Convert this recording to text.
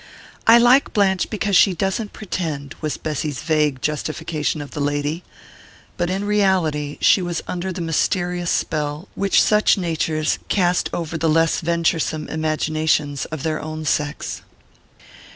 "I like Blanche because she doesn't pretend," was Bessy's vague justification of the lady; but in reality she was under the mysterious spell which such natures cast over the less venturesome imaginations of their own sex.